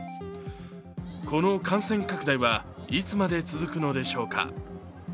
この感染拡大は、いつまで続くのでしょうか。